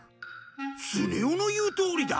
スネ夫の言うとおりだ。